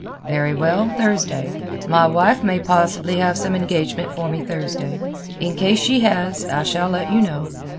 "Very well; Thursday. My wife may possibly have some engagement for me Thursday. In case she has, I shall let you know.